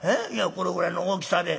これぐらいの大きさで。